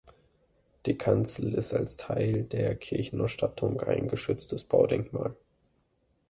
Die Kanzel ist als Teil der Kirchenausstattung ein geschütztes Baudenkmal.